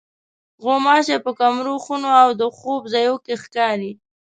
غوماشې په کمرو، خونو او د خوب ځایونو کې ښکاري.